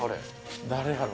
誰やろ？